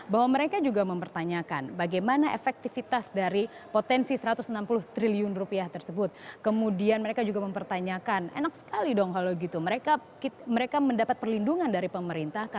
berita terkini dari dpr